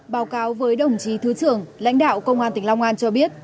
báo cáo với đồng chí thứ trưởng lãnh đạo công an tỉnh long an cho biết